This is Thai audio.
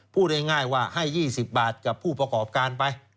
พูดง่ายว่าให้๒๐บาทกับผู้ประกอบการไป